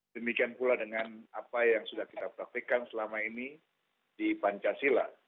demikian pula dengan apa yang sudah kita praktikan selama ini di pancasila